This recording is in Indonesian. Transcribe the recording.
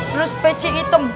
terus peci hitam